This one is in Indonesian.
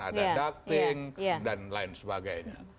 ada ducting dan lain sebagainya